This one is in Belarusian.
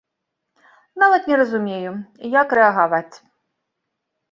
Нават не разумею, як рэагаваць.